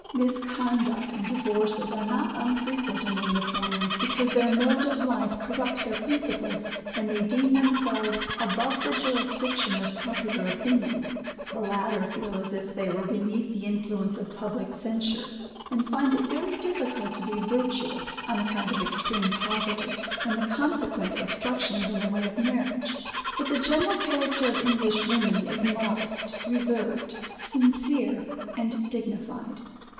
Misconduct and divorces are not unfrequent among the former, because their mode of life corrupts their principles, and they deem themselves above the jurisdiction of popular opinion; the latter feel as if they were beneath the influence of public censure, and find it very difficult to be virtuous, on account of extreme poverty, and the consequent obstructions in the way of marriage. But the general character of English women is modest, reserved, sincere, and dignified.